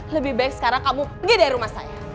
lebih baik sekarang kamu pergi dari rumah saya